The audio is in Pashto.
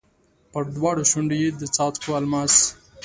پر دواړو شونډو یې د څاڅکو الماس